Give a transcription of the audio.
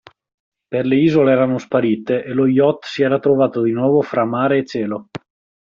Poi le isole erano sparite e lo yacht si era trovato di nuovo fra mare e cielo.